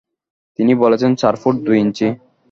তিনি বলেছেন চার ফুট দুইঞ্চি।